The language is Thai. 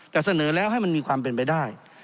แต่เสนอแล้วให้มันมีความเป็นไปได้